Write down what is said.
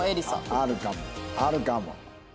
あるかもあるかも。